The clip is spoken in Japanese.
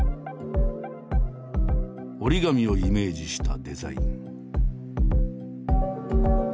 折り紙をイメージしたデザイン。